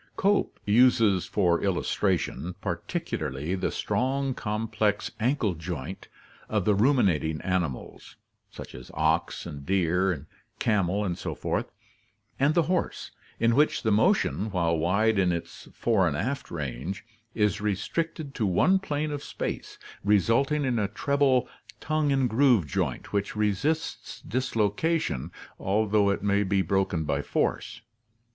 — Cope uses for illustration particularly the strong complex ankle joint of the ruminating animals (ox, deer, camel, etc.) and the horse, in which the motion, while wide in its fore and aft range, is restricted to one plane of space, result ing in a treble tongue and groove joint which resists dislocation ORTHOGENESIS AND KINETOGENESIS 181 although it may be broken by force (see Fig.